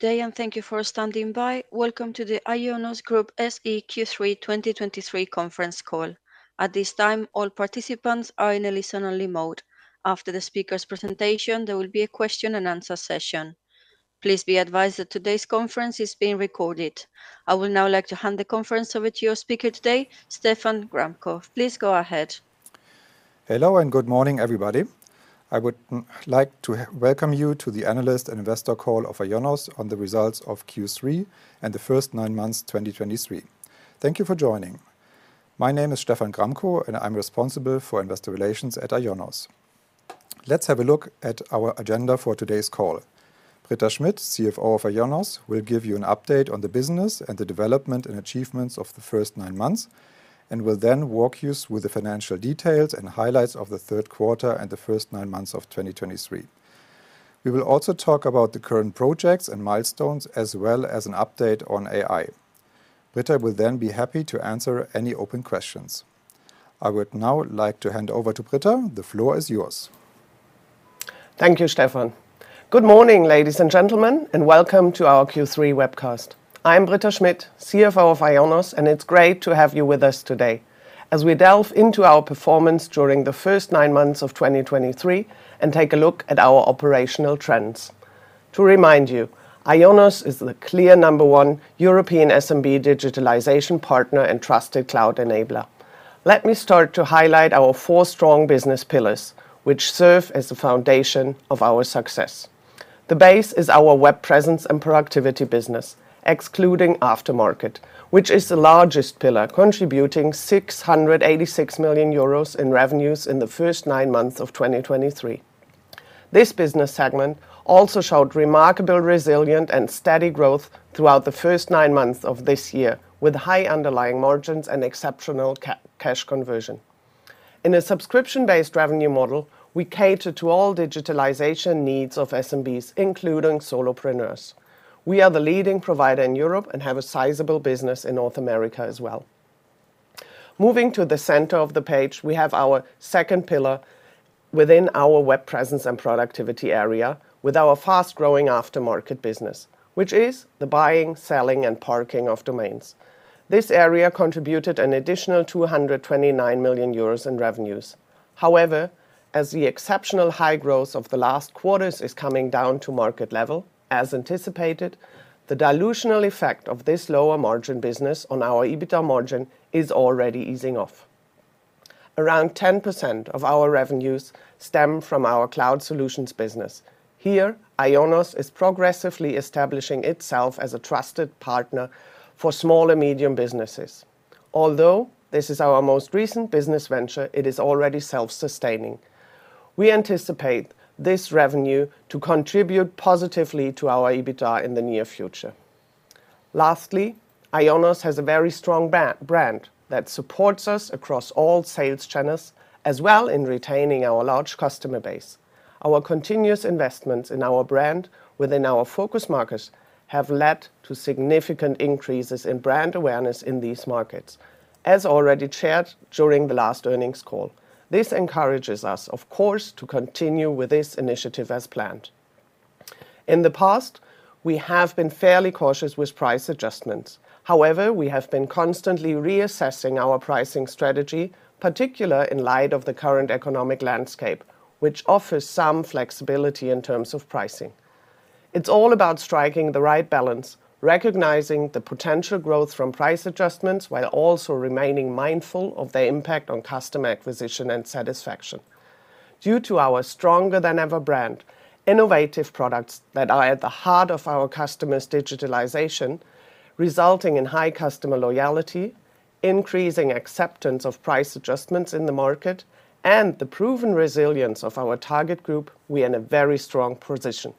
Good day, and thank you for standing by. Welcome to the IONOS Group SE Q3 2023 conference call. At this time, all participants are in a listen-only mode. After the speaker's presentation, there will be a question-and-answer session. Please be advised that today's conference is being recorded. I would now like to hand the conference over to your speaker today, Stephan Gramkow. Please go ahead. Hello, and good morning, everybody. I would like to welcome you to the analyst and investor call of IONOS on the results of Q3 and the first nine months, 2023. Thank you for joining. My name is Stephan Gramkow, and I'm responsible for investor relations at IONOS. Let's have a look at our agenda for today's call. Britta Schmidt, CFO of IONOS, will give you an update on the business and the development and achievements of the first nine months, and will then walk you through the financial details and highlights of the third quarter and the first nine months of 2023. We will also talk about the current projects and milestones, as well as an update on AI. Britta will then be happy to answer any open questions. I would now like to hand over to Britta. The floor is yours. Thank you, Stephan. Good morning, ladies and gentlemen, and welcome to our Q3 webcast. I'm Britta Schmidt, CFO of IONOS, and it's great to have you with us today as we delve into our performance during the first nine months of 2023 and take a look at our operational trends. To remind you, IONOS is the clear number one European SMB digitalization partner and trusted cloud enabler. Let me start to highlight our four strong business pillars, which serve as the foundation of our success. The base is our Web Presence & Productivity business, excluding Aftermarket, which is the largest pillar, contributing 686 million euros in revenues in the first nine months of 2023. This business segment also showed remarkable, resilient, and steady growth throughout the first nine months of this year, with high underlying margins and exceptional cash conversion. In a subscription-based revenue model, we cater to all digitalization needs of SMBs, including solopreneurs. We are the leading provider in Europe and have a sizable business in North America as well. Moving to the center of the page, we have our second pillar within our Web Presence & Productivity area with our fast-growing Aftermarket business, which is the buying, selling, and parking of domains. This area contributed an additional 229 million euros in revenues. However, as the exceptional high growth of the last quarters is coming down to market level, as anticipated, the dilutional effect of this lower margin business on our EBITDA margin is already easing off. Around 10% of our revenues stem from our Cloud Solutions business. Here, IONOS is progressively establishing itself as a trusted partner for small and medium businesses. Although this is our most recent business venture, it is already self-sustaining. We anticipate this revenue to contribute positively to our EBITDA in the near future. Lastly, IONOS has a very strong brand that supports us across all sales channels, as well in retaining our large customer base. Our continuous investments in our brand within our focus markets have led to significant increases in brand awareness in these markets, as already shared during the last earnings call. This encourages us, of course, to continue with this initiative as planned. In the past, we have been fairly cautious with price adjustments. However, we have been constantly reassessing our pricing strategy, particularly in light of the current economic landscape, which offers some flexibility in terms of pricing. It's all about striking the right balance, recognizing the potential growth from price adjustments, while also remaining mindful of their impact on customer acquisition and satisfaction. Due to our stronger-than-ever brand, innovative products that are at the heart of our customers' digitalization, resulting in high customer loyalty, increasing acceptance of price adjustments in the market, and the proven resilience of our target group, we are in a very strong position.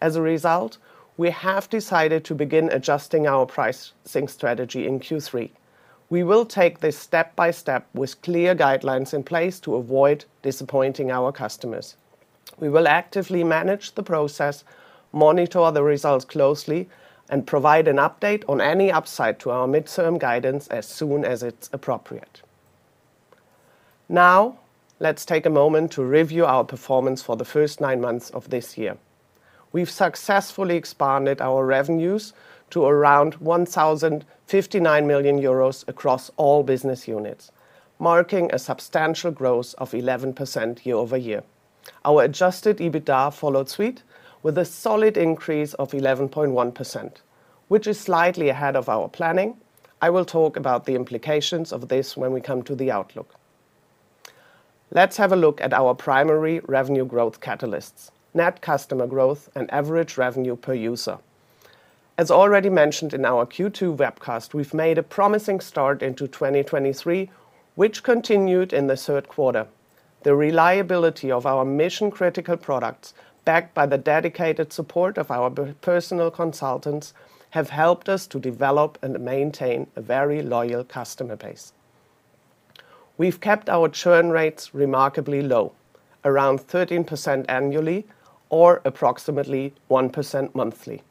As a result, we have decided to begin adjusting our pricing strategy in Q3. We will take this step by step with clear guidelines in place to avoid disappointing our customers. We will actively manage the process, monitor the results closely, and provide an update on any upside to our mid-term guidance as soon as it's appropriate. Now, let's take a moment to review our performance for the first nine months of this year. We've successfully expanded our revenues to around 1,059 million euros across all business units, marking a substantial growth of 11% year-over-year. Our adjusted EBITDA followed suit with a solid increase of 11.1%, which is slightly ahead of our planning. I will talk about the implications of this when we come to the outlook. Let's have a look at our primary revenue growth catalysts: net customer growth and average revenue per user. As already mentioned in our Q2 webcast, we've made a promising start into 2023, which continued in the third quarter. The reliability of our mission-critical products, backed by the dedicated support of our personal consultants, have helped us to develop and maintain a very loyal customer base. We've kept our churn rates remarkably low, around 13% annually, or approximately 1% monthly.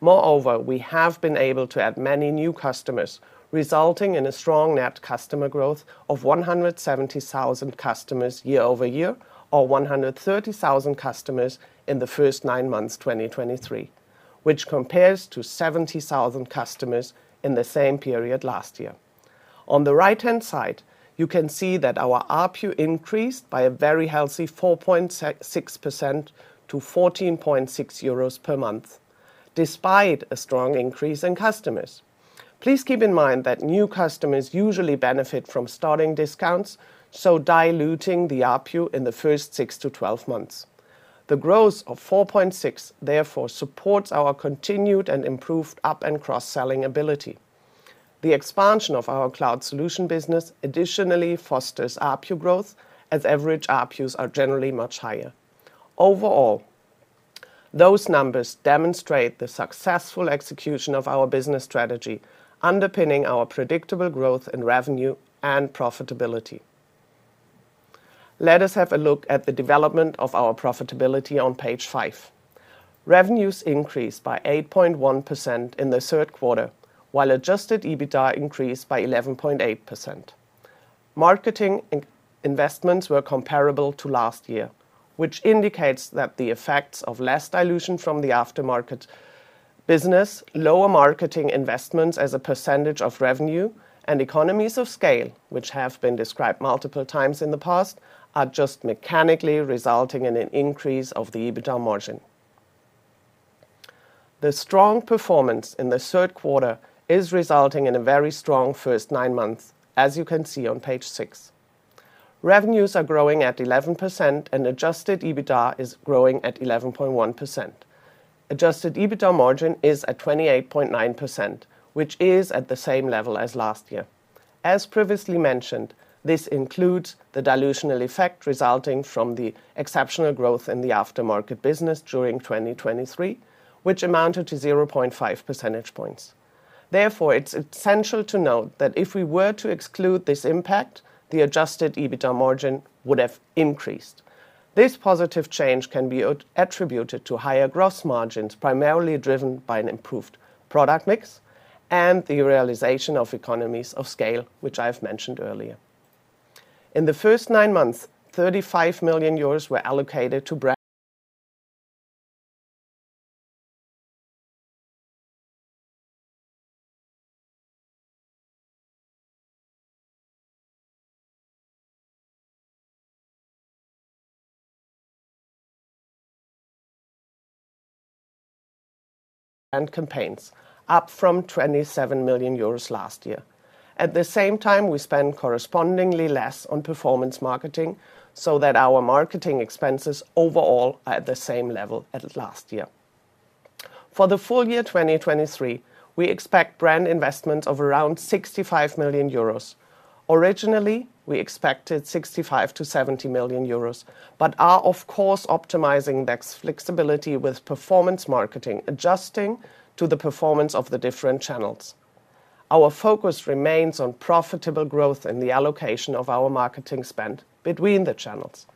Moreover, we have been able to add many new customers, resulting in a strong net customer growth of 170,000 customers year-over-year, or 130,000 customers in the first nine months, 2023, which compares to 70,000 customers in the same period last year. On the right-hand side, you can see that our ARPU increased by a very healthy 4.66% to 14.6 euros per month, despite a strong increase in customers. Please keep in mind that new customers usually benefit from starting discounts, so diluting the ARPU in the first six to 12 months. The growth of 4.6 therefore supports our continued and improved up and cross-selling ability. The expansion of our cloud solution business additionally fosters ARPU growth, as average ARPUs are generally much higher. Overall, those numbers demonstrate the successful execution of our business strategy, underpinning our predictable growth in revenue and profitability. Let us have a look at the development of our profitability on page five. Revenues increased by 8.1% in the third quarter, while adjusted EBITDA increased by 11.8%. Marketing investments were comparable to last year, which indicates that the effects of less dilution from the Aftermarket business, lower marketing investments as a percentage of revenue, and economies of scale, which have been described multiple times in the past, are just mechanically resulting in an increase of the EBITDA margin. The strong performance in the third quarter is resulting in a very strong first nine months, as you can see on page six. Revenues are growing at 11%, and adjusted EBITDA is growing at 11.1%. Adjusted EBITDA margin is at 28.9%, which is at the same level as last year. As previously mentioned, this includes the dilutional effect resulting from the exceptional growth in the Aftermarket business during 2023, which amounted to 0.5 percentage points. Therefore, it's essential to note that if we were to exclude this impact, the adjusted EBITDA margin would have increased. This positive change can be attributed to higher gross margins, primarily driven by an improved product mix and the realization of economies of scale, which I have mentioned earlier. In the first nine months, 35 million euros were allocated to brand campaigns, up from 27 million euros last year. At the same time, we spent correspondingly less on performance marketing, so that our marketing expenses overall are at the same level as last year. For the full year 2023, we expect brand investments of around 65 million euros. Originally, we expected 65 million-70 million euros, but are, of course, optimizing that flexibility with performance marketing, adjusting to the performance of the different channels. Our focus remains on profitable growth in the allocation of our marketing spend between the channels,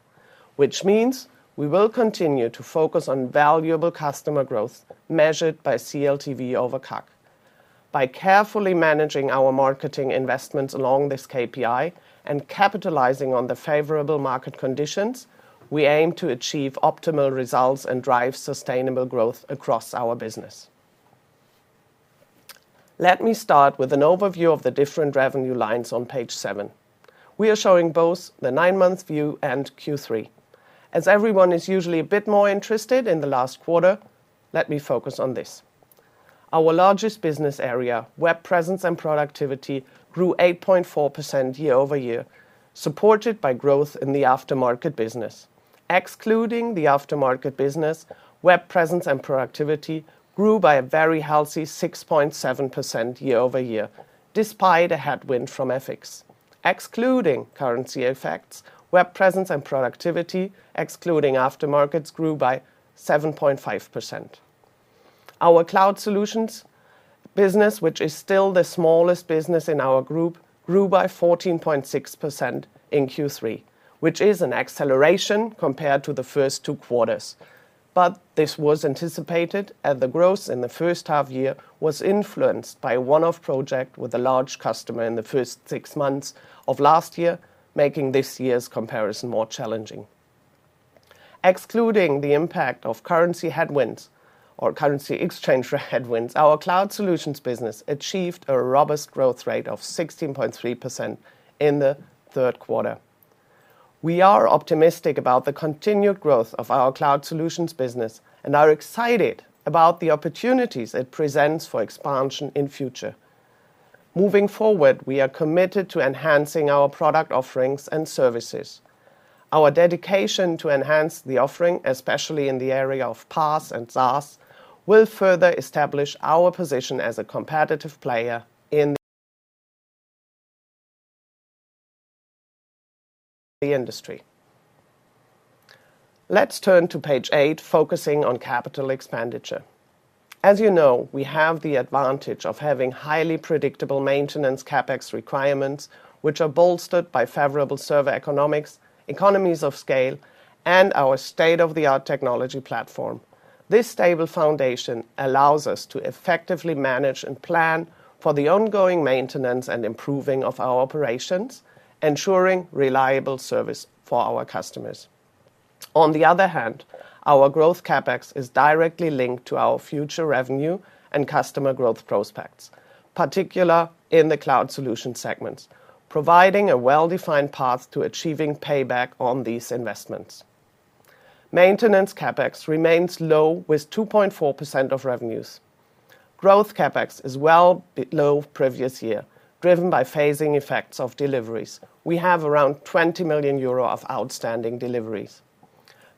which means we will continue to focus on valuable customer growth, measured by CLTV over CAC. By carefully managing our marketing investments along this KPI and capitalizing on the favorable market conditions, we aim to achieve optimal results and drive sustainable growth across our business. Let me start with an overview of the different revenue lines on page seven. We are showing both the nine-month view and Q3. As everyone is usually a bit more interested in the last quarter, let me focus on this. Our largest business area, Web Presence & Productivity, grew 8.4% year-over-year, supported by growth in the Aftermarket business. Excluding the Aftermarket business, Web Presence & Productivity grew by a very healthy 6.7% year-over-year, despite a headwind from FX. Excluding currency effects, Web Presence & Productivity, excluding Aftermarkets, grew by 7.5%. Our Cloud Solutions business, which is still the smallest business in our group, grew by 14.6% in Q3, which is an acceleration compared to the first two quarters. This was anticipated, as the growth in the first half year was influenced by a one-off project with a large customer in the first six months of last year, making this year's comparison more challenging. Excluding the impact of currency headwinds or currency exchange headwinds, our Cloud Solutions business achieved a robust growth rate of 16.3% in the third quarter. We are optimistic about the continued growth of our Cloud Solutions business and are excited about the opportunities it presents for expansion in future. Moving forward, we are committed to enhancing our product offerings and services. Our dedication to enhance the offering, especially in the area of PaaS and SaaS, will further establish our position as a competitive player in the industry. Let's turn to page eight, focusing on capital expenditure. As you know, we have the advantage of having highly predictable maintenance CapEx requirements, which are bolstered by favorable server economics, economies of scale, and our state-of-the-art technology platform. This stable foundation allows us to effectively manage and plan for the ongoing maintenance and improving of our operations, ensuring reliable service for our customers. On the other hand, our growth CapEx is directly linked to our future revenue and customer growth prospects, particular in the cloud solution segments, providing a well-defined path to achieving payback on these investments. Maintenance CapEx remains low, with 2.4% of revenues. Growth CapEx is well below previous year, driven by phasing effects of deliveries. We have around 20 million euro of outstanding deliveries.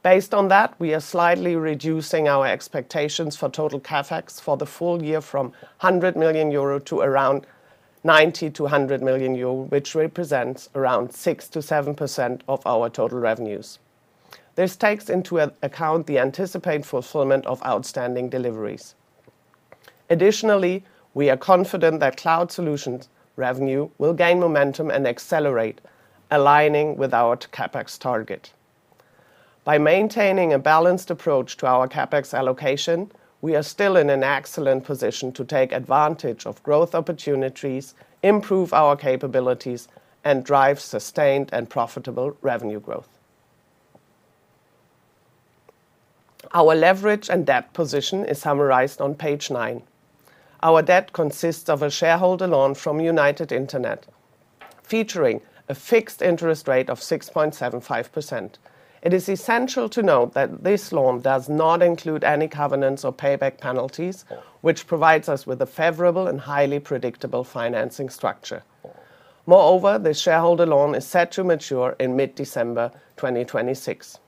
Based on that, we are slightly reducing our expectations for total CapEx for the full year from 100 million euro to around 90 million-100 million euro, which represents around 6%-7% of our total revenues. This takes into account the anticipated fulfillment of outstanding deliveries. Additionally, we are confident that Cloud Solutions revenue will gain momentum and accelerate, aligning with our CapEx target. By maintaining a balanced approach to our CapEx allocation, we are still in an excellent position to take advantage of growth opportunities, improve our capabilities, and drive sustained and profitable revenue growth. Our leverage and debt position is summarized on page nine. Our debt consists of a shareholder loan from United Internet, featuring a fixed interest rate of 6.75%. It is essential to note that this loan does not include any covenants or payback penalties, which provides us with a favorable and highly predictable financing structure. Moreover, the shareholder loan is set to mature in mid-December 2026.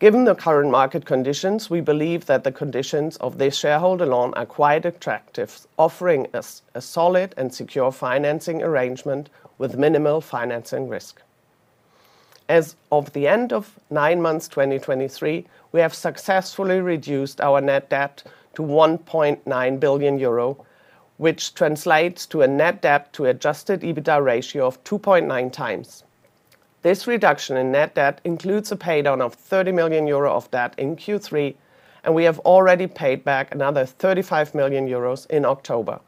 Given the current market conditions, we believe that the conditions of this shareholder loan are quite attractive, offering us a solid and secure financing arrangement with minimal financing risk. As of the end of nine months 2023, we have successfully reduced our net debt to 1.9 billion euro, which translates to a net debt to adjusted EBITDA ratio of 2.9 times. This reduction in net debt includes a paydown of 30 million euro of debt in Q3, and we have already paid back another 35 million euros in October,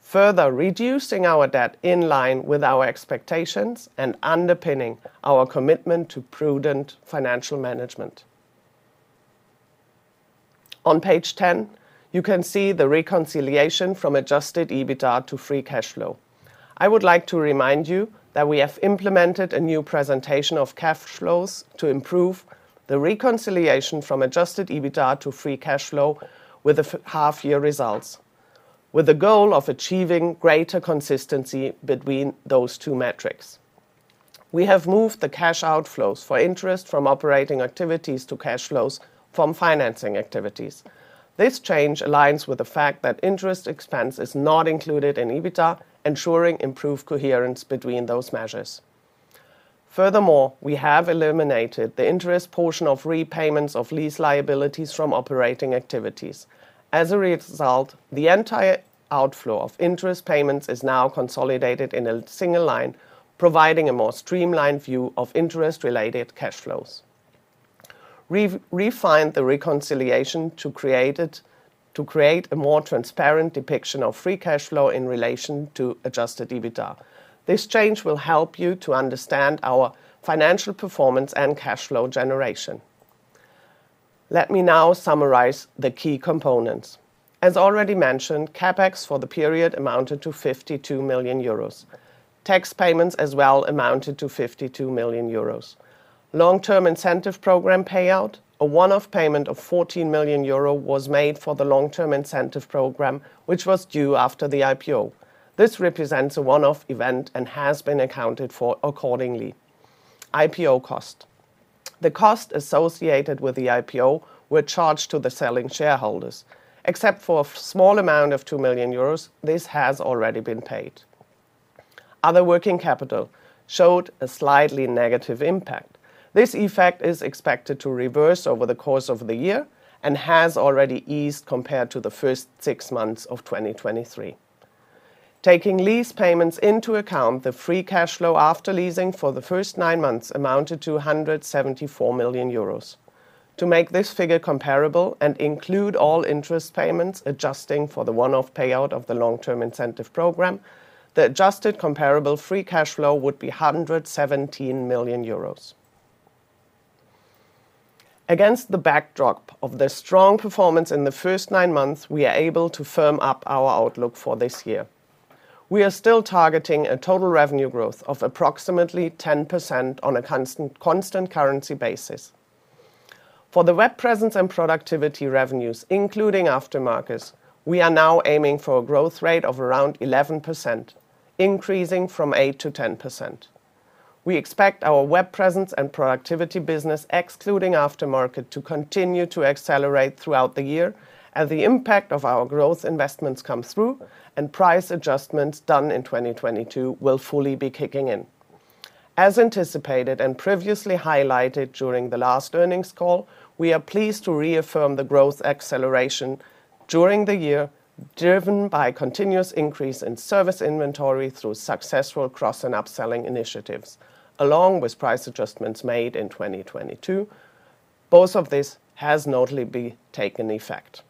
further reducing our debt in line with our expectations and underpinning our commitment to prudent financial management. On page 10, you can see the reconciliation from adjusted EBITDA to free cash flow. I would like to remind you that we have implemented a new presentation of cash flows to improve the reconciliation from adjusted EBITDA to free cash flow with the first half-year results, with the goal of achieving greater consistency between those two metrics. We have moved the cash outflows for interest from operating activities to cash flows from financing activities. This change aligns with the fact that interest expense is not included in EBITDA, ensuring improved coherence between those measures. Furthermore, we have eliminated the interest portion of repayments of lease liabilities from operating activities. As a result, the entire outflow of interest payments is now consolidated in a single line, providing a more streamlined view of interest-related cash flows. We've refined the reconciliation to create a more transparent depiction of free cash flow in relation to adjusted EBITDA. This change will help you to understand our financial performance and cash flow generation. Let me now summarize the key components. As already mentioned, CapEx for the period amounted to 52 million euros. Tax payments as well amounted to 52 million euros. Long-term incentive program payout, a one-off payment of 14 million euro was made for the long-term incentive program, which was due after the IPO. This represents a one-off event and has been accounted for accordingly. IPO cost. The cost associated with the IPO were charged to the selling shareholders. Except for a small amount of 2 million euros, this has already been paid. Other working capital showed a slightly negative impact. This effect is expected to reverse over the course of the year and has already eased compared to the first six months of 2023. Taking lease payments into account, the free cash flow after leasing for the first nine months amounted to 174 million euros. To make this figure comparable and include all interest payments, adjusting for the one-off payout of the long-term incentive program, the adjusted comparable free cash flow would be 117 million euros. Against the backdrop of the strong performance in the first nine months, we are able to firm up our outlook for this year. We are still targeting a total revenue growth of approximately 10% on a constant, constant currency basis. For the Web Presence & Productivity revenues, including Aftermarkets, we are now aiming for a growth rate of around 11%, increasing from 8%-10%. We expect our Web Presence & Productivity business, excluding Aftermarket, to continue to accelerate throughout the year as the impact of our growth investments come through and price adjustments done in 2022 will fully be kicking in. As anticipated and previously highlighted during the last earnings call, we are pleased to reaffirm the growth acceleration during the year, driven by continuous increase in service inventory through successful cross and upselling initiatives, along with price adjustments made in 2022. Both of this has notably taken effect.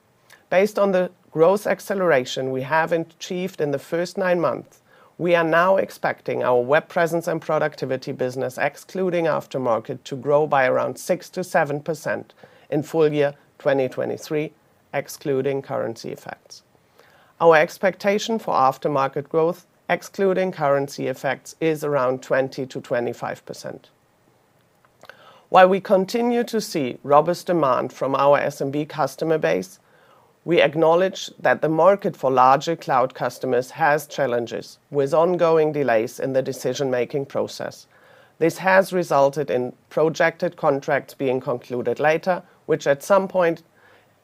Based on the growth acceleration we have achieved in the first nine months, we are now expecting our Web Presence & Productivity business, excluding Aftermarket, to grow by around 6%-7% in full year 2023, excluding currency effects. Our expectation for Aftermarket growth, excluding currency effects, is around 20%-25%. While we continue to see robust demand from our SMB customer base, we acknowledge that the market for larger cloud customers has challenges, with ongoing delays in the decision-making process. This has resulted in projected contracts being concluded later, which at some point,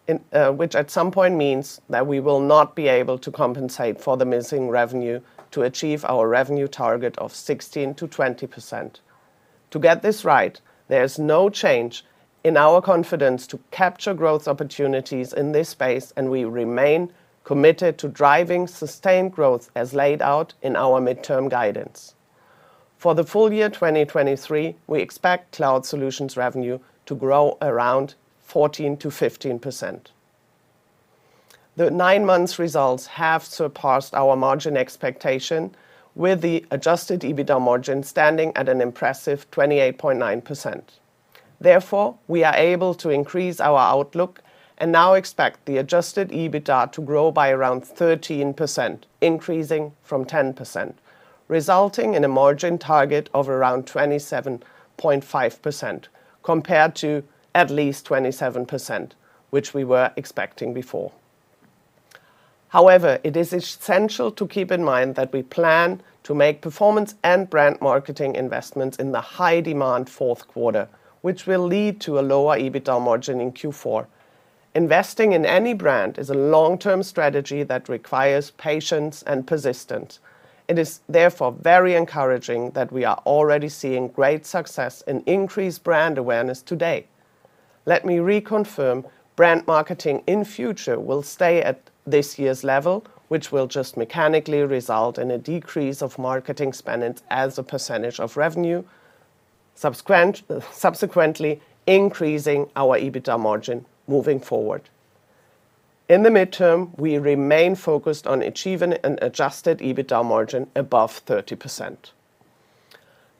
in, which at some point means that we will not be able to compensate for the missing revenue to achieve our revenue target of 16%-20%. To get this right, there is no change in our confidence to capture growth opportunities in this space, and we remain committed to driving sustained growth as laid out in our midterm guidance. For the full year 2023, we expect Cloud Solutions revenue to grow around 14%-15%. The nine months results have surpassed our margin expectation, with the adjusted EBITDA margin standing at an impressive 28.9%. Therefore, we are able to increase our outlook and now expect the adjusted EBITDA to grow by around 13%, increasing from 10%, resulting in a margin target of around 27.5%, compared to at least 27%, which we were expecting before. However, it is essential to keep in mind that we plan to make performance and brand marketing investments in the high-demand fourth quarter, which will lead to a lower EBITDA margin in Q4. Investing in any brand is a long-term strategy that requires patience and persistence. It is therefore very encouraging that we are already seeing great success and increased brand awareness today. Let me reconfirm, brand marketing in future will stay at this year's level, which will just mechanically result in a decrease of marketing spending as a percentage of revenue, subsequently increasing our EBITDA margin moving forward. In the midterm, we remain focused on achieving an adjusted EBITDA margin above 30%.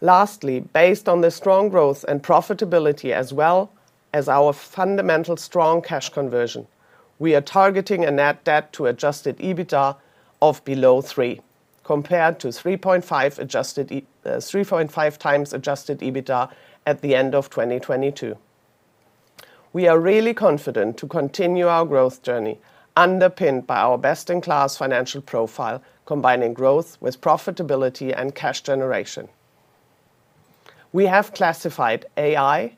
Lastly, based on the strong growth and profitability, as well as our fundamental strong cash conversion, we are targeting a net debt to adjusted EBITDA of below three, compared to 3.5 times adjusted EBITDA at the end of 2022. We are really confident to continue our growth journey, underpinned by our best-in-class financial profile, combining growth with profitability and cash generation. We have classified AI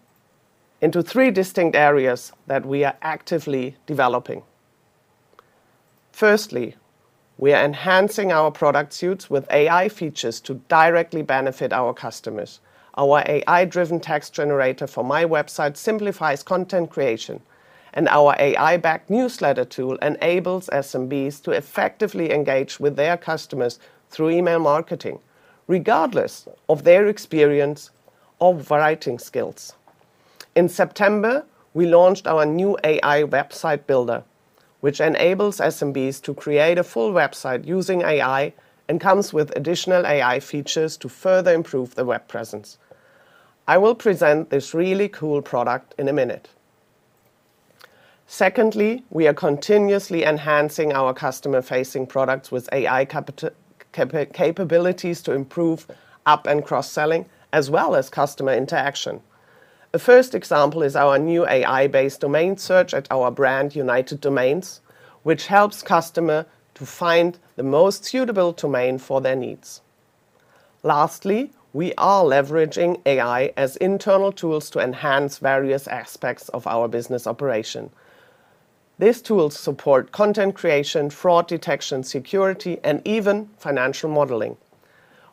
into three distinct areas that we are actively developing. Firstly, we are enhancing our product suites with AI features to directly benefit our customers. Our AI-driven text generator for MyWebsite simplifies content creation, and our AI-backed newsletter tool enables SMBs to effectively engage with their customers through email marketing, regardless of their experience or writing skills. In September, we launched our new AI website builder, which enables SMBs to create a full website using AI and comes with additional AI features to further improve the web presence. I will present this really cool product in a minute. Secondly, we are continuously enhancing our customer-facing products with AI capabilities to improve up- and cross-selling, as well as customer interaction. The first example is our new AI-based domain search at our brand, United Domains, which helps customer to find the most suitable domain for their needs. Lastly, we are leveraging AI as internal tools to enhance various aspects of our business operation. These tools support content creation, fraud detection, security, and even financial modeling.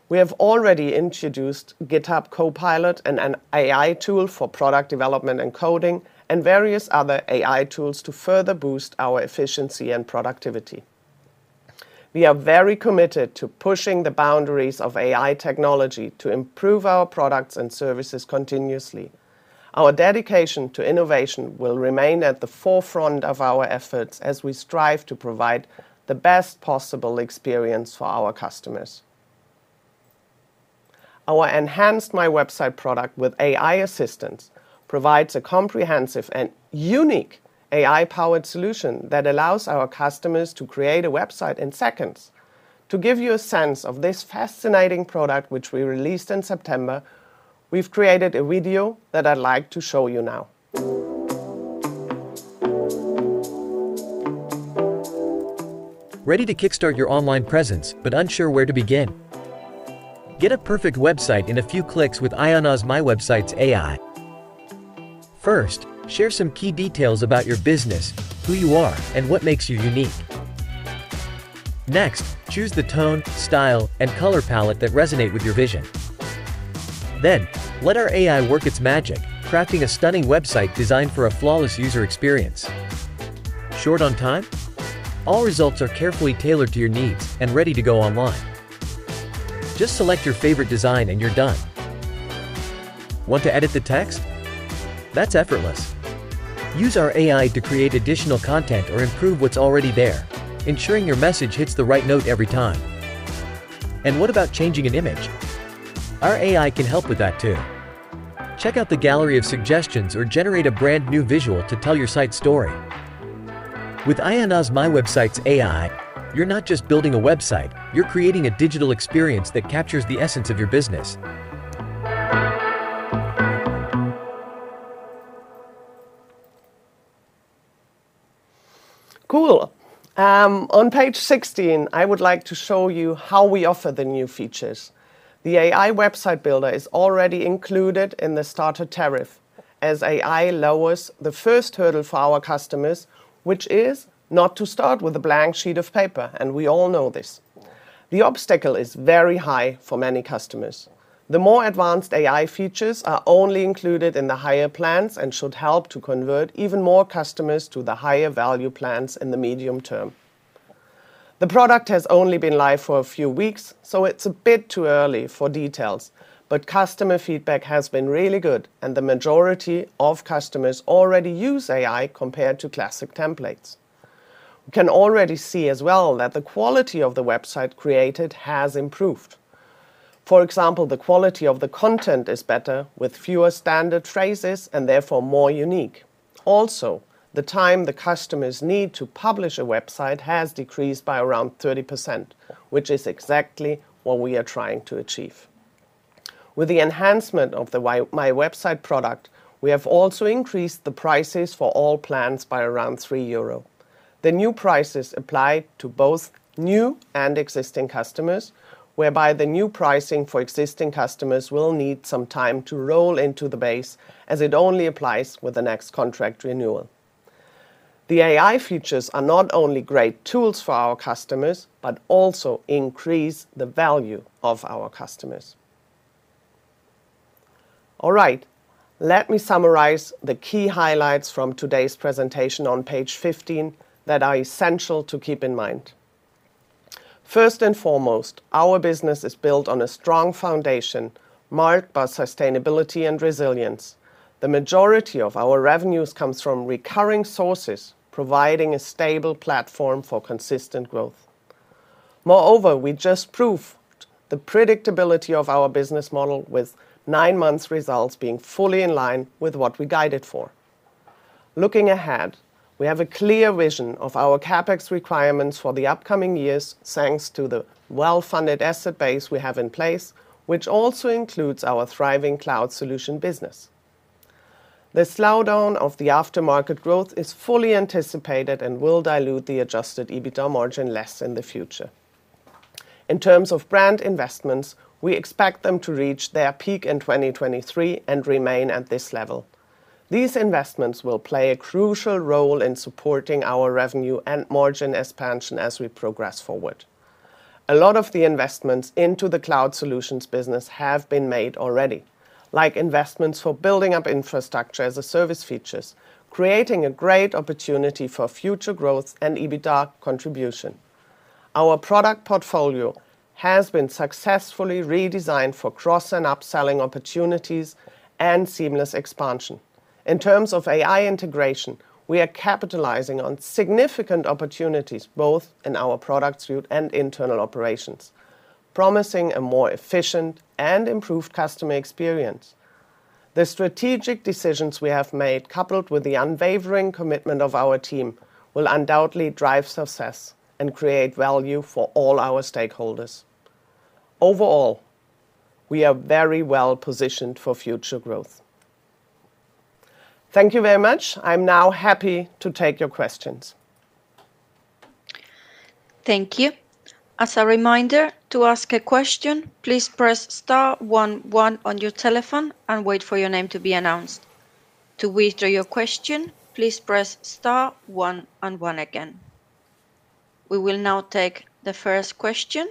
We have already introduced GitHub Copilot and an AI tool for product development and coding and various other AI tools to further boost our efficiency and productivity. We are very committed to pushing the boundaries of AI technology to improve our products and services continuously. Our dedication to innovation will remain at the forefront of our efforts as we strive to provide the best possible experience for our customers. Our enhanced MyWebsite product with AI assistance provides a comprehensive and unique AI-powered solution that allows our customers to create a website in seconds. To give you a sense of this fascinating product, which we released in September, we've created a video that I'd like to show you now. Ready to kickstart your online presence, but unsure where to begin? Get a perfect website in a few clicks with IONOS MyWebsite's AI. First, share some key details about your business, who you are, and what makes you unique. Next, choose the tone, style, and color palette that resonate with your vision. Then, let our AI work its magic, crafting a stunning website designed for a flawless user experience. Short on time? All results are carefully tailored to your needs and ready to go online. Just select your favorite design, and you're done. Want to edit the text? That's effortless. Use our AI to create additional content or improve what's already there, ensuring your message hits the right note every time. And what about changing an image? Our AI can help with that, too. Check out the gallery of suggestions or generate a brand-new visual to tell your site's story. With IONOS MyWebsite's AI, you're not just building a website, you're creating a digital experience that captures the essence of your business. Cool. On page 16, I would like to show you how we offer the new features. The AI website builder is already included in the starter tariff, as AI lowers the first hurdle for our customers, which is not to start with a blank sheet of paper, and we all know this. The obstacle is very high for many customers. The more advanced AI features are only included in the higher plans and should help to convert even more customers to the higher value plans in the medium term. The product has only been live for a few weeks, so it's a bit too early for details, but customer feedback has been really good, and the majority of customers already use AI compared to classic templates. We can already see as well that the quality of the website created has improved. For example, the quality of the content is better, with fewer standard phrases and therefore more unique. Also, the time the customers need to publish a website has decreased by around 30%, which is exactly what we are trying to achieve. With the enhancement of the MyWebsite product, we have also increased the prices for all plans by around 3 euro. The new prices apply to both new and existing customers, whereby the new pricing for existing customers will need some time to roll into the base, as it only applies with the next contract renewal. The AI features are not only great tools for our customers, but also increase the value of our customers. All right. Let me summarize the key highlights from today's presentation on page 15 that are essential to keep in mind. First and foremost, our business is built on a strong foundation, marked by sustainability and resilience. The majority of our revenues comes from recurring sources, providing a stable platform for consistent growth. Moreover, we just proved the predictability of our business model, with nine months results being fully in line with what we guided for. Looking ahead, we have a clear vision of our CapEx requirements for the upcoming years, thanks to the well-funded asset base we have in place, which also includes our thriving cloud solution business. The slowdown of the Aftermarket growth is fully anticipated and will dilute the adjusted EBITDA margin less in the future. In terms of brand investments, we expect them to reach their peak in 2023 and remain at this level. These investments will play a crucial role in supporting our revenue and margin expansion as we progress forward. A lot of the investments into the Cloud Solutions business have been made already, like investments for building up Infrastructure as a Service features, creating a great opportunity for future growth and EBITDA contribution. Our product portfolio has been successfully redesigned for cross and upselling opportunities and seamless expansion. In terms of AI integration, we are capitalizing on significant opportunities, both in our product suite and internal operations, promising a more efficient and improved customer experience. The strategic decisions we have made, coupled with the unwavering commitment of our team, will undoubtedly drive success and create value for all our stakeholders. Overall, we are very well positioned for future growth. Thank you very much. I'm now happy to take your questions. Thank you. As a reminder, to ask a question, please press star one one on your telephone and wait for your name to be announced. To withdraw your question, please press star one and one again. We will now take the first question.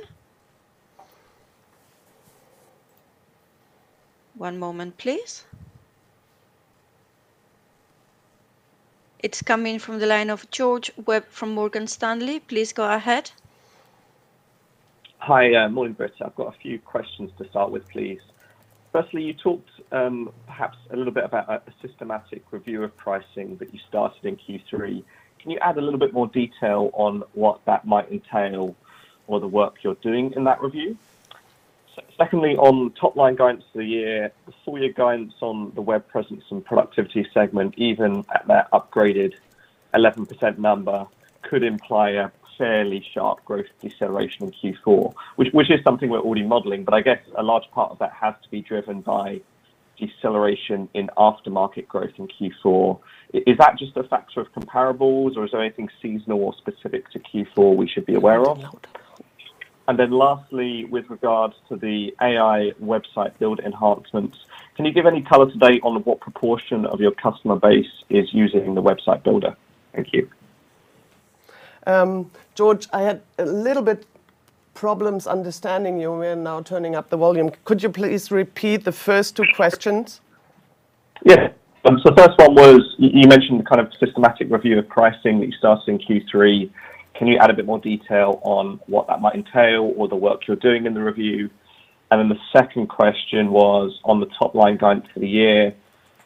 One moment, please. It's coming from the line of George Webb from Morgan Stanley. Please go ahead. Hi, morning, Britta. I've got a few questions to start with, please. Firstly, you talked, perhaps a little bit about a systematic review of pricing that you started in Q3. Can you add a little bit more detail on what that might entail or the work you're doing in that review? Secondly, on top line guidance for the year, the full year guidance on the Web Presence & Productivity segment, even at that upgraded 11% number, could imply a fairly sharp growth deceleration in Q4, which is something we're already modeling. But I guess a large part of that has to be driven by deceleration in Aftermarket growth in Q4. Is that just a factor of comparables, or is there anything seasonal or specific to Q4 we should be aware of? Then lastly, with regards to the AI website build enhancements, can you give any color today on what proportion of your customer base is using the website builder? Thank you. George, I had a little bit problems understanding you. We are now turning up the volume. Could you please repeat the first two questions? Yeah. So the first one was, you mentioned kind of systematic review of pricing that you started in Q3. Can you add a bit more detail on what that might entail or the work you're doing in the review? And then the second question was, on the top-line guidance for the year,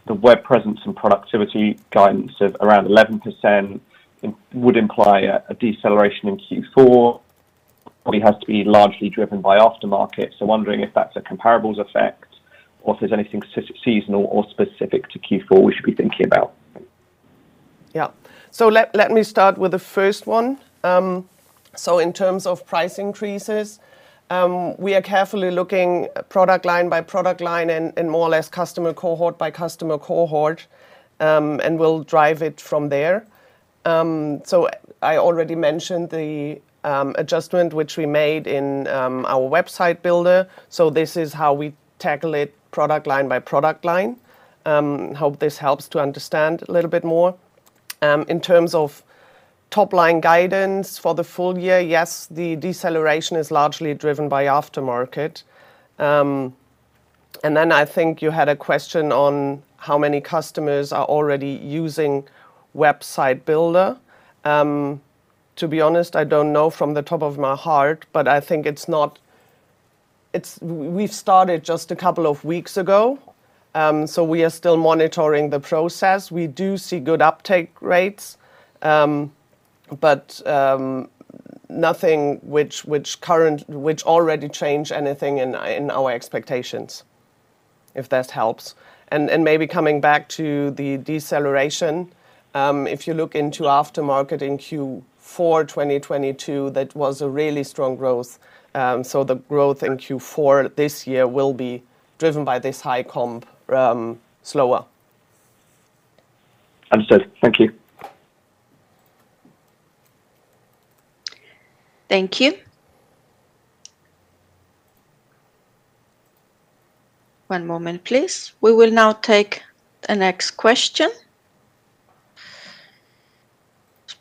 the Web Presence & Productivity guidance of around 11%, would imply a deceleration in Q4, probably has to be largely driven by Aftermarket. So wondering if that's a comparables effect or if there's anything seasonal or specific to Q4 we should be thinking about? Yeah. So let me start with the first one. So in terms of price increases, we are carefully looking product line by product line and more or less customer cohort by customer cohort, and we'll drive it from there. So I already mentioned the adjustment which we made in our Website Builder, so this is how we tackle it product line by product line. Hope this helps to understand a little bit more. In terms of top-line guidance for the full year, yes, the deceleration is largely driven by Aftermarket. And then I think you had a question on how many customers are already using Website Builder. To be honest, I don't know from the top of my heart, but I think it's not. It's. We've started just a couple of weeks ago, so we are still monitoring the process. We do see good uptake rates, but nothing which already changed anything in our expectations, if that helps. And maybe coming back to the deceleration, if you look into Aftermarket in Q4 2022, that was a really strong growth. So the growth in Q4 this year will be driven by this high comp, slower. Understood. Thank you. Thank you. One moment, please. We will now take the next question.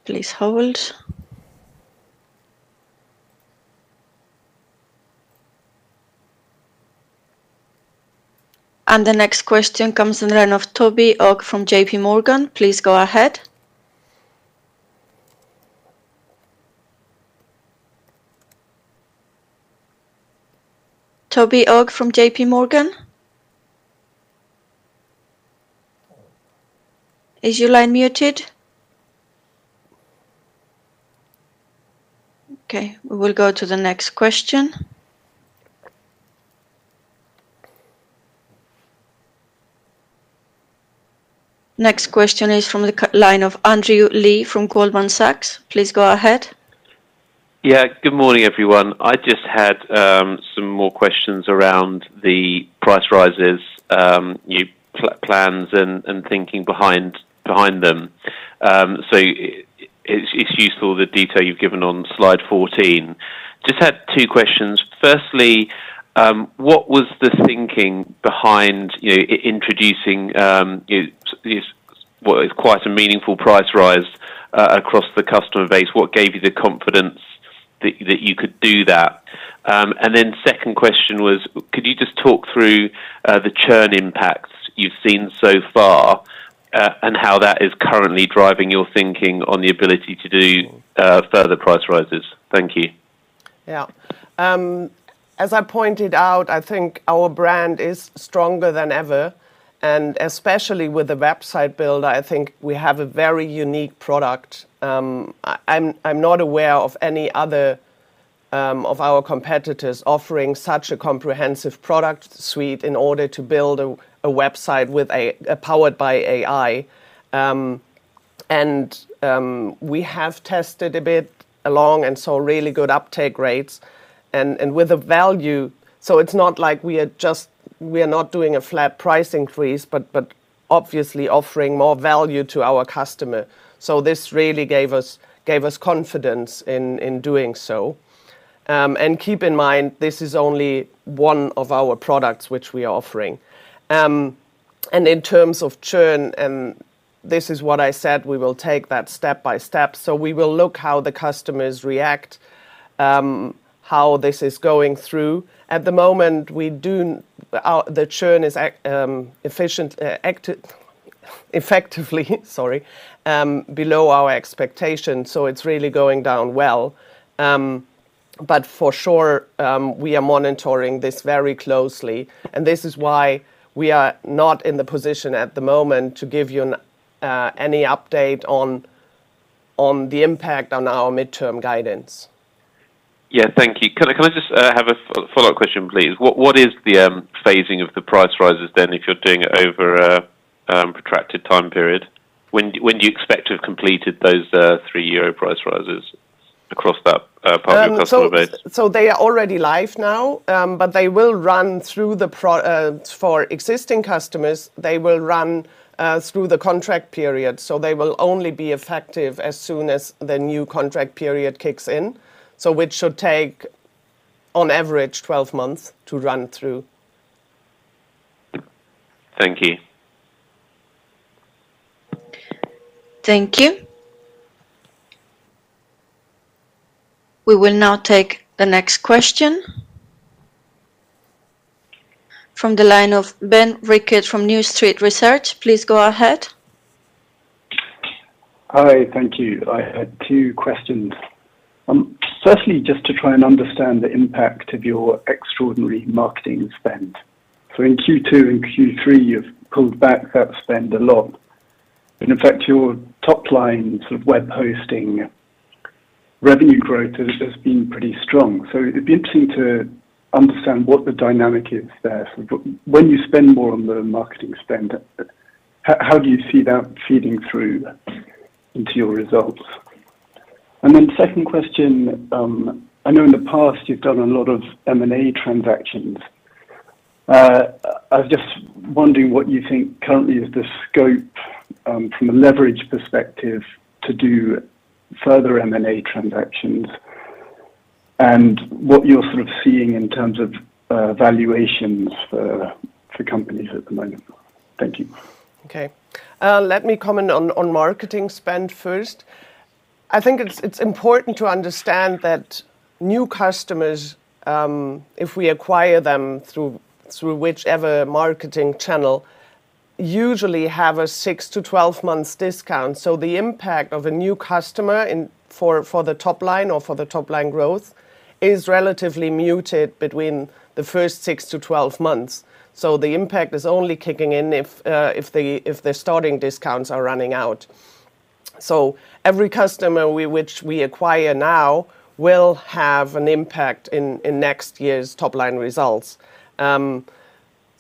Please hold. The next question comes in the line of Toby Ogg from JPMorgan. Please go ahead. Toby Ogg from JPMorgan? Is your line muted? Okay, we will go to the next question. Next question is from the line of Andrew Lee from Goldman Sachs. Please go ahead. Yeah. Good morning, everyone. I just had some more questions around the price rises, new plans and thinking behind them. So it's useful the detail you've given on slide 14. Just had two questions. Firstly, what was the thinking behind, you know, introducing this well, quite a meaningful price rise across the customer base? What gave you the confidence that you could do that? And then second question was, could you just talk through the churn impacts you've seen so far, and how that is currently driving your thinking on the ability to do further price rises? Thank you. Yeah. As I pointed out, I think our brand is stronger than ever, and especially with the Website Builder, I think we have a very unique product. I'm not aware of any other of our competitors offering such a comprehensive product suite in order to build a website with a powered by AI. And we have tested a bit along and saw really good uptake rates and with the value. So it's not like we are just. We are not doing a flat price increase, but obviously offering more value to our customer. So this really gave us confidence in doing so. And keep in mind, this is only one of our products which we are offering. And in terms of churn, and this is what I said, we will take that step by step. So we will look how the customers react, how this is going through. At the moment, we do, the churn is efficient, active, effectively, sorry, below our expectations, so it's really going down well. But for sure, we are monitoring this very closely, and this is why we are not in the position at the moment to give you any update on the impact on our midterm guidance. Yeah. Thank you. Can I, can I just have a follow-up question, please? What, what is the phasing of the price rises then, if you're doing it over a protracted time period? When do, when do you expect to have completed those three-year price rises across that part of the customer base? So, they are already live now, but they will run through the pro for existing customers. They will run through the contract period. So they will only be effective as soon as the new contract period kicks in. So which should take, on average, 12 months to run through. Thank you. Thank you. We will now take the next question. From the line of Ben Rickett from New Street Research, please go ahead. Hi, thank you. I had two questions. Firstly, just to try and understand the impact of your extraordinary marketing spend. So in Q2 and Q3, you've pulled back that spend a lot, but in fact, your top line sort of web hosting revenue growth has been pretty strong. So it'd be interesting to understand what the dynamic is there. So when you spend more on the marketing spend, how do you see that feeding through into your results? And then second question, I know in the past you've done a lot of M&A transactions. I was just wondering what you think currently is the scope, from a leverage perspective to do further M&A transactions, and what you're sort of seeing in terms of valuations for companies at the moment. Thank you. Okay. Let me comment on marketing spend first. I think it's important to understand that new customers, if we acquire them through whichever marketing channel, usually have a 6 to 12 months discount. So the impact of a new customer in for the top line or for the top line growth is relatively muted between the first 6 to 12 months. So the impact is only kicking in if the starting discounts are running out. So every customer which we acquire now will have an impact in next year's top line results.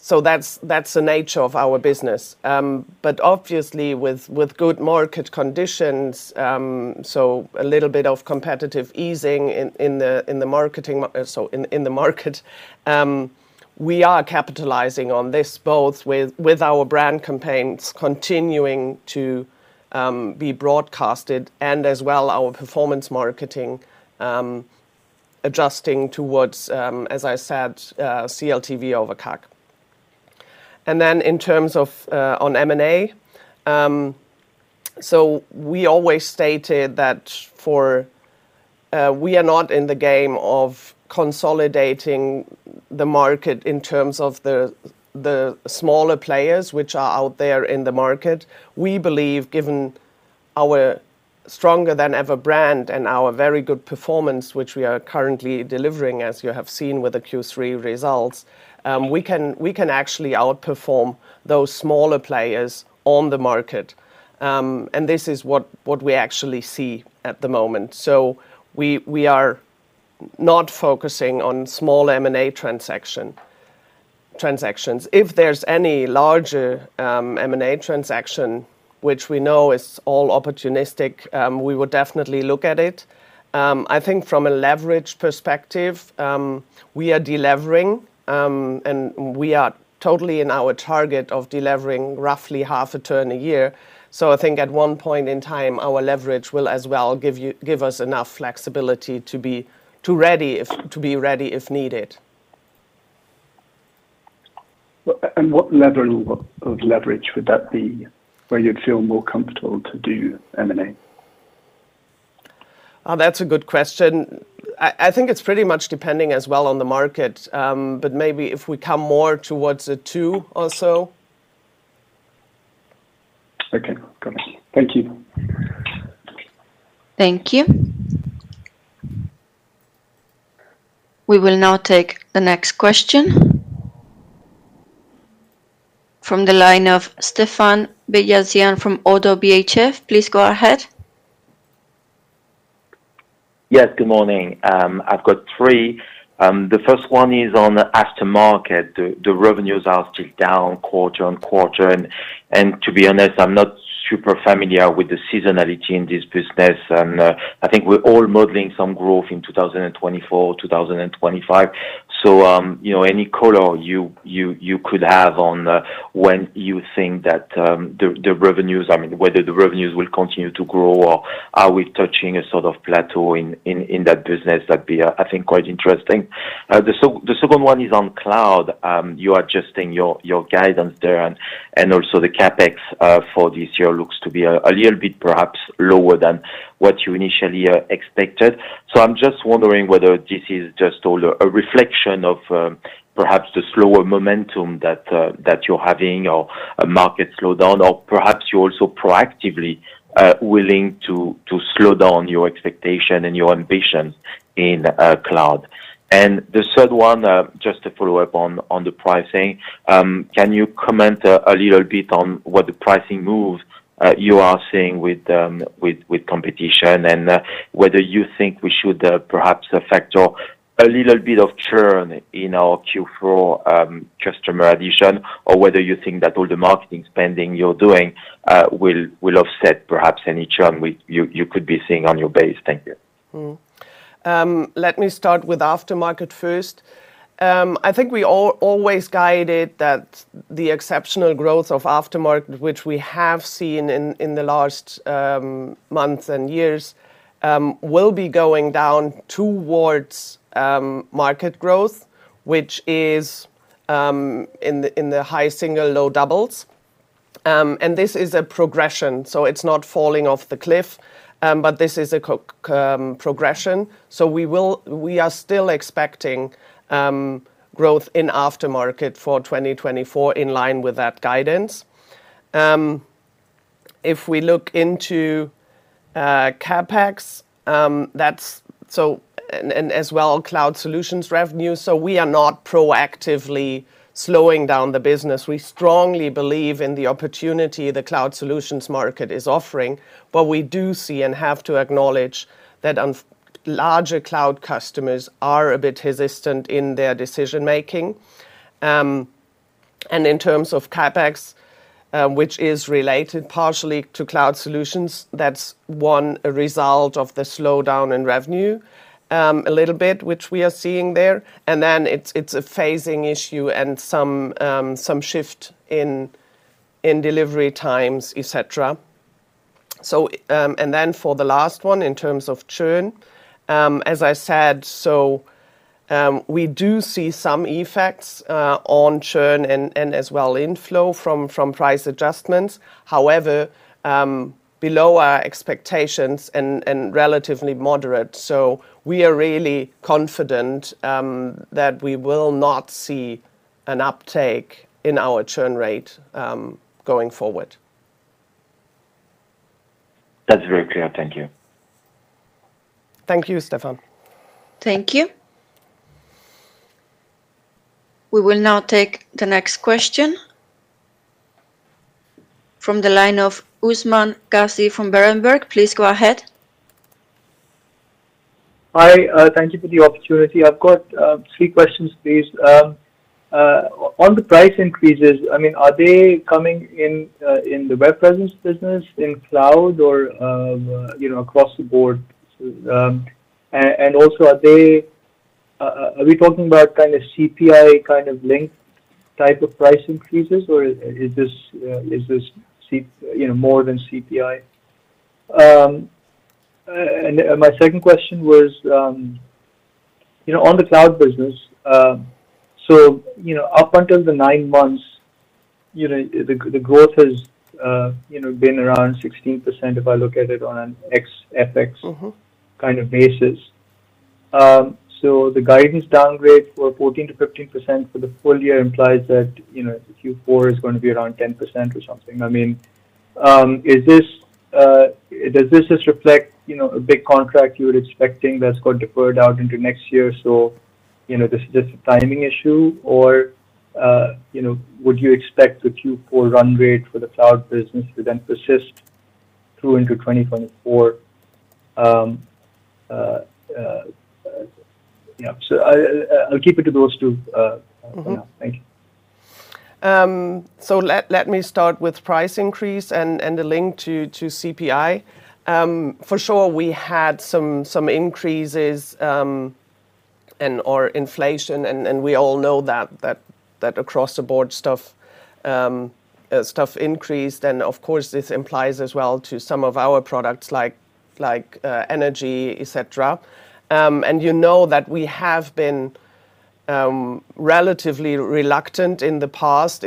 So that's the nature of our business. But obviously, with good market conditions, so a little bit of competitive easing in the market, we are capitalizing on this both with our brand campaigns continuing to be broadcasted and as well, our performance marketing adjusting towards, as I said, CLTV over CAC. And then in terms of on M&A, so we always stated that we are not in the game of consolidating the market in terms of the smaller players which are out there in the market. We believe, given our stronger than ever brand and our very good performance, which we are currently delivering, as you have seen with the Q3 results, we can actually outperform those smaller players on the market. And this is what we actually see at the moment. So we are not focusing on small M&A transactions. If there's any larger M&A transaction, which we know is all opportunistic, we would definitely look at it. I think from a leverage perspective, we are delevering, and we are totally in our target of delivering roughly half a turn a year. So I think at one point in time, our leverage will as well give us enough flexibility to be ready, if needed. What level of, of leverage would that be, where you'd feel more comfortable to do M&A? That's a good question. I think it's pretty much depending as well on the market, but maybe if we come more towards a two or so. Okay, got it. Thank you. Thank you. We will now take the next question. From the line of Stephane Beyazian from ODDO BHF. Please go ahead. Yes, good morning. I've got three. The first one is on the Aftermarket. The revenues are still down quarter-on-quarter, and to be honest, I'm not super familiar with the seasonality in this business. And I think we're all modeling some growth in 2024, 2025. So, you know, any color you could have on when you think that the revenues—I mean, whether the revenues will continue to grow or are we touching a sort of plateau in that business? That'd be, I think, quite interesting. The second one is on cloud. You are adjusting your guidance there, and also the CapEx for this year looks to be a little bit perhaps lower than what you initially expected. So I'm just wondering whether this is just all a reflection of perhaps the slower momentum that you're having or a market slowdown, or perhaps you're also proactively willing to slow down your expectation and your ambitions in cloud. And the third one just to follow up on the pricing, can you comment a little bit on what the pricing moves you are seeing with competition? And whether you think we should perhaps factor a little bit of churn in our Q4 customer addition, or whether you think that all the marketing spending you're doing will offset perhaps any churn you could be seeing on your base. Thank you. Let me start with Aftermarket first. I think we always guided that the exceptional growth of Aftermarket, which we have seen in the last months and years, will be going down towards market growth, which is in the high single, low doubles. And this is a progression, so it's not falling off the cliff, but this is a progression. So we will—we are still expecting growth in Aftermarket for 2024 in line with that guidance. If we look into CapEx, that's—so and, and as well, Cloud Solutions revenue. So we are not proactively slowing down the business. We strongly believe in the opportunity the Cloud Solutions market is offering, but we do see and have to acknowledge that larger cloud customers are a bit hesitant in their decision-making. And in terms of CapEx, which is related partially to Cloud Solutions, that's one result of the slowdown in revenue, a little bit, which we are seeing there. And then it's a phasing issue and some shift in delivery times, et cetera. So, and then for the last one, in terms of churn, as I said, so, we do see some effects on churn and as well inflow from price adjustments. However, below our expectations and relatively moderate. So we are really confident that we will not see an uptake in our churn rate going forward. That's very clear. Thank you. Thank you, Stephan. Thank you. We will now take the next question from the line of Usman Ghazi from Berenberg. Please go ahead. Hi. Thank you for the opportunity. I've got three questions, please. On the price increases, I mean, are they coming in in the web presence business, in cloud or, you know, across the board? And also, are we talking about kind of CPI, kind of, linked type of price increases, or is this C- you know, more than CPI? And my second question was, you know, on the cloud business, so, you know, up until the nine months, you know, the growth has, you know, been around 16% if I look at it on an ex-FX kind of, basis. So the guidance downgrade for 14%-15% for the full year implies that, you know, Q4 is going to be around 10% or something. I mean, is this, does this just reflect, you know, a big contract you were expecting that's got deferred out into next year? So, you know, this is just a timing issue or, you know, would you expect the Q4 run rate for the cloud business to then persist through into 2024? Yeah. So I’ll keep it to those two. Yeah. Thank you. So let me start with price increase and the link to CPI. For sure, we had some increases and/or inflation, and we all know that across the board stuff increased. And of course, this implies as well to some of our products like energy, et cetera. And you know that we have been relatively reluctant in the past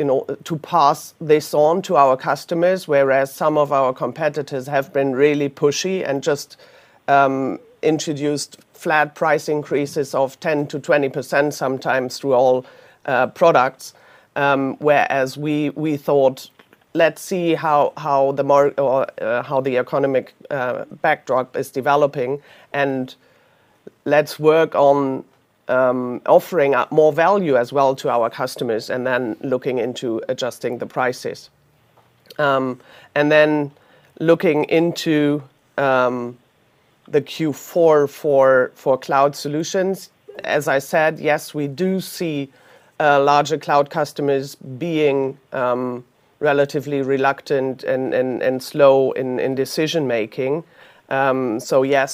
to pass this on to our customers, whereas some of our competitors have been really pushy and just introduced flat price increases of 10%-20%, sometimes through all products. Whereas we thought, let's see how the economic backdrop is developing, and let's work on offering up more value as well to our customers, and then looking into adjusting the prices. And then looking into the Q4 for Cloud Solutions, as I said, yes, we do see larger cloud customers being relatively reluctant and slow in decision-making. So yes,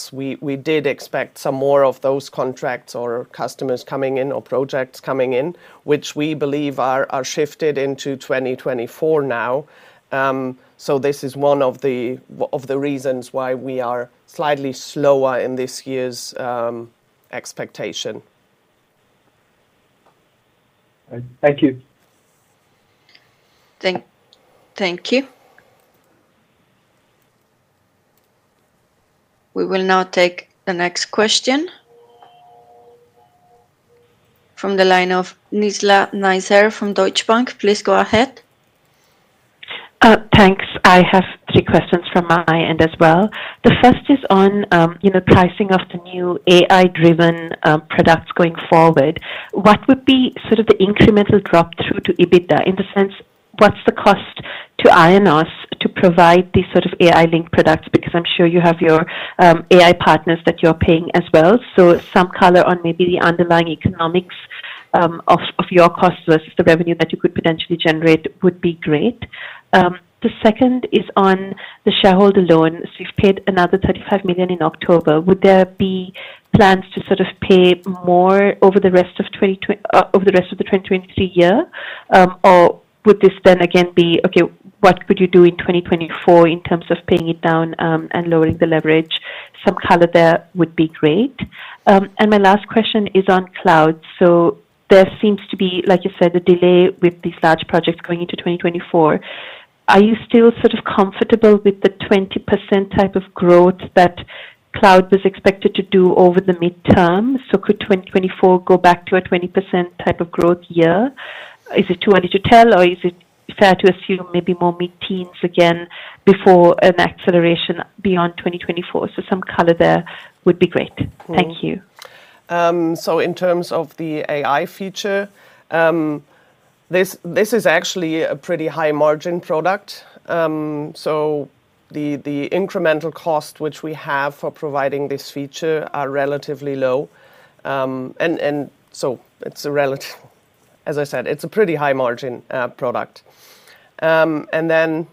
we did expect some more of those contracts or customers coming in or projects coming in, which we believe are shifted into 2024 now. So this is one of the reasons why we are slightly slower in this year's expectation. All right. Thank you. Thank you. We will now take the next question from the line of Nizla Naizer from Deutsche Bank. Please go ahead. Thanks. I have three questions from my end as well. The first is on, you know, pricing of the new AI-driven products going forward. What would be sort of the incremental drop through to EBITDA? In the sense, what's the cost to IONOS to provide these sort of AI-linked products? Because I'm sure you have your AI partners that you're paying as well. So some color on maybe the underlying economics of your cost versus the revenue that you could potentially generate would be great. The second is on the shareholder loans. You've paid another 35 million in October. Would there be plans to sort of pay more over the rest of the 2023 year? Or would this then again be, okay, what could you do in 2024 in terms of paying it down, and lowering the leverage? Some color there would be great. And my last question is on cloud. So there seems to be, like you said, a delay with these large projects going into 2024. Are you still sort of comfortable with the 20% type of growth that cloud was expected to do over the midterm? So could 2024 go back to a 20% type of growth year? Is it too early to tell, or is it fair to assume maybe more mid-teens again before an acceleration beyond 2024? So some color there would be great. Thank you. So in terms of the AI feature, this is actually a pretty high-margin product. So the incremental cost which we have for providing this feature are relatively low. And so it's relatively, as I said, it's a pretty high-margin product. And then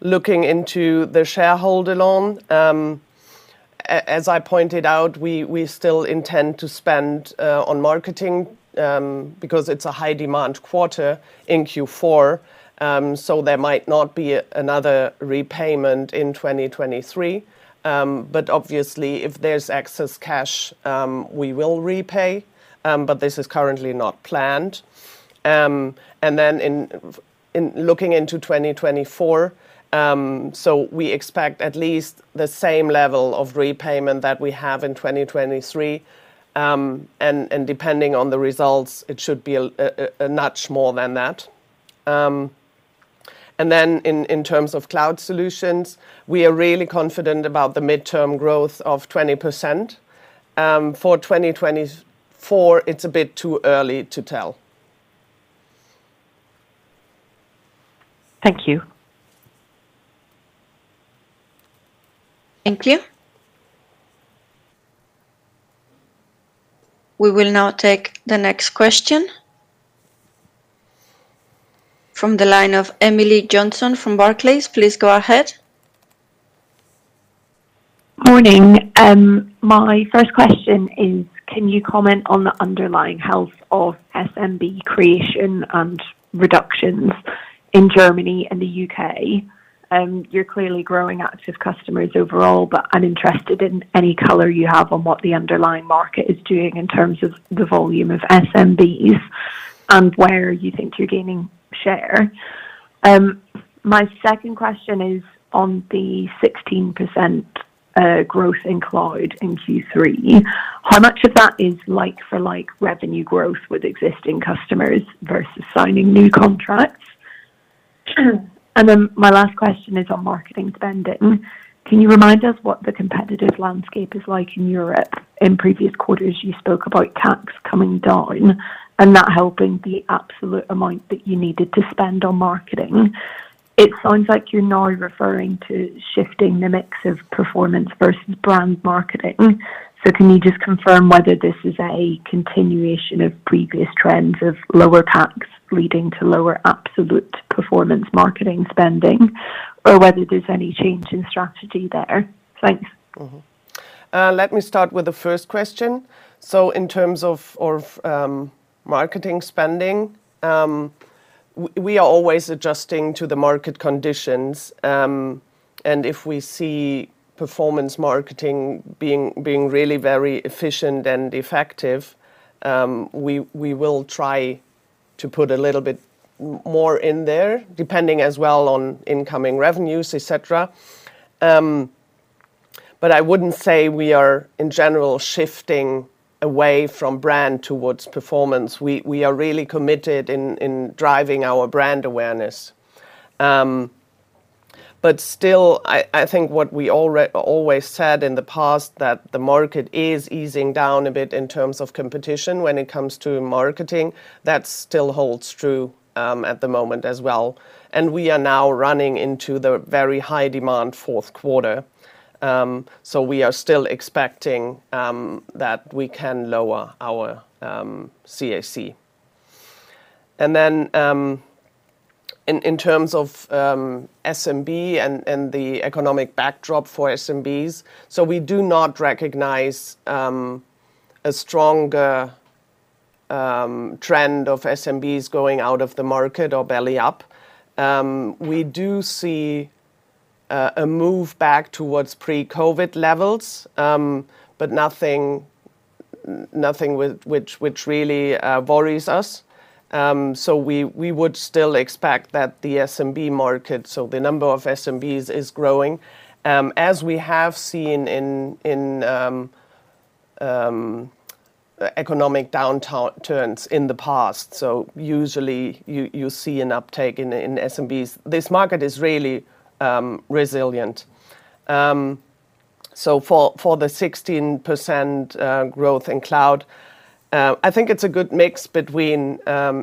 looking into the shareholder loan, as I pointed out, we still intend to spend on marketing because it's a high-demand quarter in Q4. So there might not be another repayment in 2023. But obviously, if there's excess cash, we will repay, but this is currently not planned. And then in looking into 2024, so we expect at least the same level of repayment that we have in 2023. And depending on the results, it should be a notch more than that. And then in terms of Cloud Solutions, we are really confident about the midterm growth of 20%. For 2024, it's a bit too early to tell. Thank you. Thank you. We will now take the next question. From the line of Emily Johnson from Barclays, please go ahead. Morning. My first question is, can you comment on the underlying health of SMB creation and reductions in Germany and the U.K.? You're clearly growing active customers overall, but I'm interested in any color you have on what the underlying market is doing in terms of the volume of SMBs and where you think you're gaining share. My second question is on the 16% growth in cloud in Q3. How much of that is like for like revenue growth with existing customers versus signing new contracts? And then my last question is on marketing spending. Can you remind us what the competitive landscape is like in Europe? In previous quarters, you spoke about CAC coming down and that helping the absolute amount that you needed to spend on marketing. It sounds like you're now referring to shifting the mix of performance versus brand marketing. Can you just confirm whether this is a continuation of previous trends of lower CAC leading to lower absolute performance marketing spending, or whether there's any change in strategy there? Thanks. Let me start with the first question. So in terms of of marketing spending, we are always adjusting to the market conditions. And if we see performance marketing being really very efficient and effective, we will try to put a little bit more in there, depending as well on incoming revenues, et cetera. But I wouldn't say we are, in general, shifting away from brand towards performance. We are really committed in driving our brand awareness. But still, I think what we always said in the past, that the market is easing down a bit in terms of competition when it comes to marketing. That still holds true, at the moment as well, and we are now running into the very high demand fourth quarter. So we are still expecting that we can lower our CAC. And then, in terms of SMB and the economic backdrop for SMBs, so we do not recognize a stronger trend of SMBs going out of the market or belly up. We do see a move back towards pre-COVID levels, but nothing which really worries us. So we would still expect that the SMB market, so the number of SMBs, is growing, as we have seen in economic downturns in the past. So usually, you see an uptake in SMBs. This market is really resilient. So for the 16% growth in cloud, I think it's a good mix between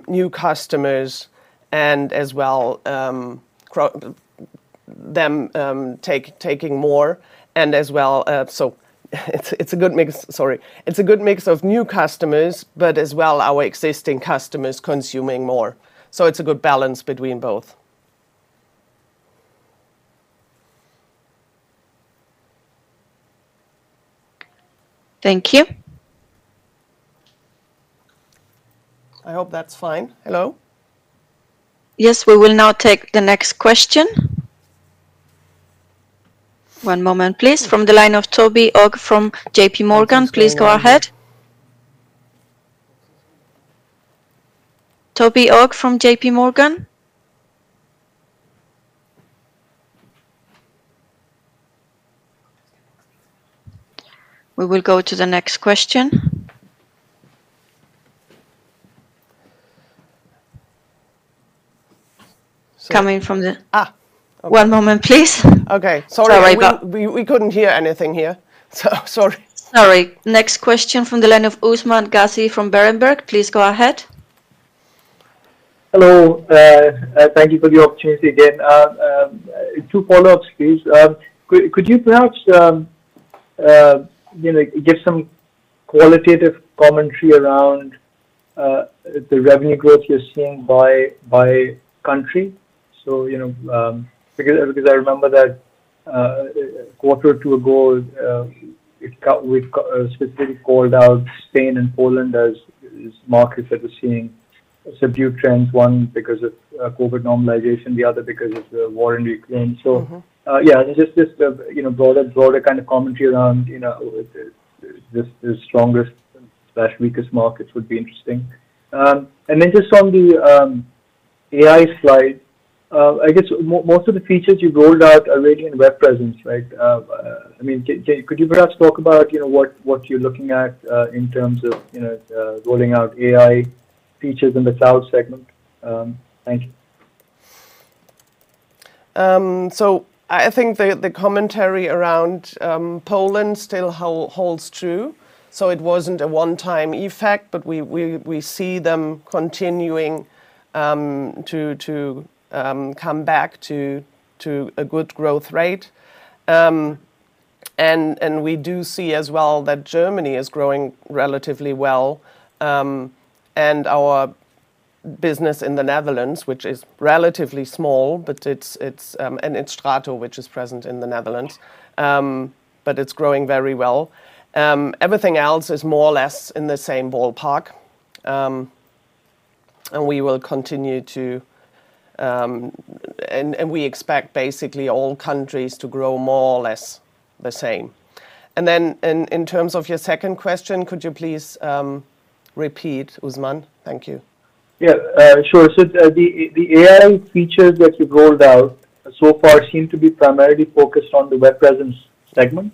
new customers and as well, them taking more and as well. So it's a good mix. Sorry. It's a good mix of new customers, but as well, our existing customers consuming more. So it's a good balance between both. Thank you. I hope that's fine. Hello? Yes, we will now take the next question. One moment, please. From the line of Toby Ogg from JPMorgan. Please go ahead. Toby Ogg from JPMorgan? We will go to the next question. Coming from the- Ah! One moment, please. Okay. Sorry. Sorry about- We couldn't hear anything here. So sorry. Sorry. Next question from the line of Usman Ghazi from Berenberg. Please go ahead. Hello, thank you for the opportunity again. Two follow-ups, please. Could you perhaps, you know, give some qualitative commentary around the revenue growth you're seeing by country? So, you know, because I remember that a quarter or two ago, we got specifically called out Spain and Poland as markets that were seeing subdued trends, one because of COVID normalization, the other because of the war in Ukraine. So, yeah, just, you know, broader kind of commentary around, you know, just the strongest and slash weakest markets would be interesting. And then just on the AI slide, I guess most of the features you rolled out are already in web presence, right? I mean, could you perhaps talk about, you know, what you're looking at in terms of, you know, rolling out AI features in the cloud segment? Thank you. So I think the commentary around Poland still holds true, so it wasn't a one-time effect. But we see them continuing to come back to a good growth rate. And we do see as well that Germany is growing relatively well. And our business in the Netherlands, which is relatively small, but it's STRATO, which is present in the Netherlands, but it's growing very well. Everything else is more or less in the same ballpark. And we will continue to. And we expect basically all countries to grow more or less the same. And then in terms of your second question, could you please repeat, Usman? Thank you. Yeah. Sure. So the AI features that you've rolled out so far seem to be primarily focused on the web presence segment.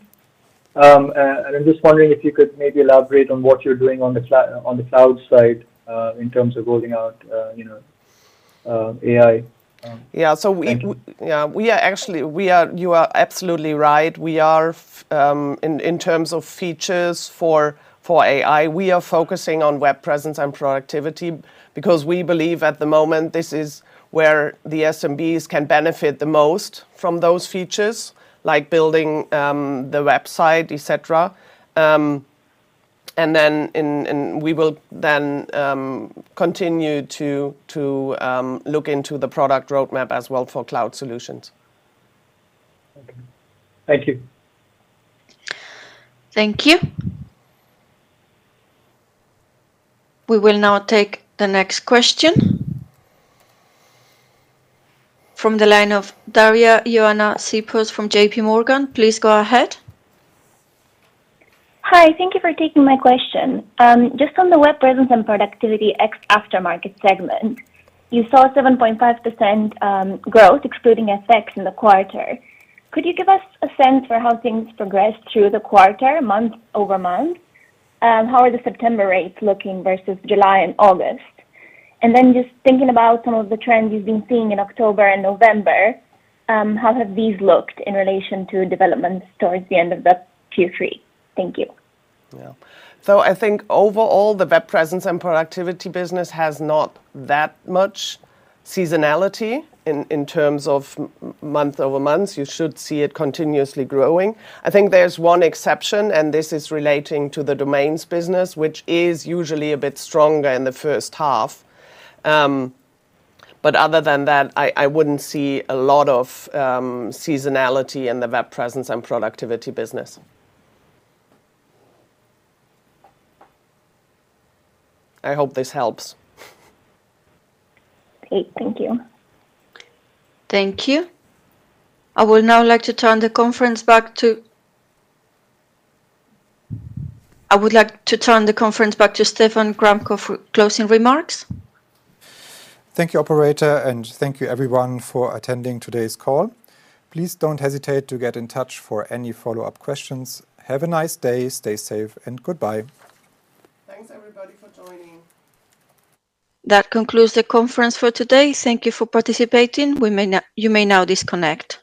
And I'm just wondering if you could maybe elaborate on what you're doing on the cloud side, in terms of rolling out, you know, AI. Yeah. So we- Thank you. Yeah, we are actually, we are—you are absolutely right. We are in terms of features for AI, we are focusing on Web Presence & Productivity because we believe at the moment this is where the SMBs can benefit the most from those features, like building the website, et cetera. And then, and we will then continue to look into the product roadmap as well for Cloud Solutions. Okay. Thank you. Thank you. We will now take the next question. From the line of Daria-Ioana Sipos from JPMorgan, please go ahead. Hi. Thank you for taking my question. Just on the Web Presence & Productivity ex Aftermarket segment, you saw a 7.5% growth, excluding FX in the quarter. Could you give us a sense for how things progressed through the quarter, month-over-month? How are the September rates looking versus July and August? And then just thinking about some of the trends you've been seeing in October and November, how have these looked in relation to developments towards the end of the Q3? Thank you. Yeah. So I think overall, the Web Presence & Productivity business has not that much seasonality in terms of month-over-month. You should see it continuously growing. I think there's one exception, and this is relating to the domains business, which is usually a bit stronger in the first half. But other than that, I wouldn't see a lot of seasonality in the Web Presence & Productivity business. I hope this helps. Great. Thank you. Thank you. I would like to turn the conference back to Stephan Gramkow for closing remarks. Thank you, operator, and thank you everyone for attending today's call. Please don't hesitate to get in touch for any follow-up questions. Have a nice day, stay safe, and goodbye. Thanks, everybody, for joining. That concludes the conference for today. Thank you for participating. You may now disconnect.